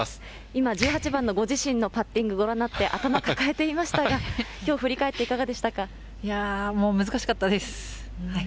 今、１８番のご自身のパッティングご覧になって、頭抱えていましたが、いやぁ、もう難しかったです。